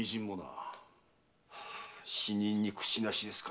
やはり「死人に口なし」ですか。